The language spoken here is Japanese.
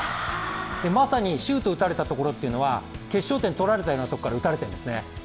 まさにシュート打たれたところというのは、決勝点取られたようなところから打たれているんですね。